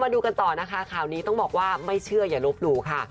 ดูกันต่อนะคะข่าวนี้ต้องบอกว่าไม่เชื่ออย่าลบหลู่ค่ะ